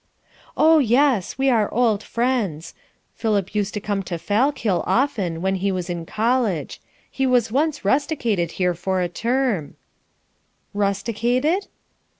"Oh yes, we are old friends. Philip used to come to Fallkill often while he was in college. He was once rusticated here for a term." "Rusticated?"